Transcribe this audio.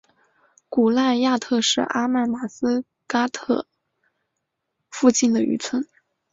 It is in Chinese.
古赖亚特是阿曼马斯喀特附近的渔村。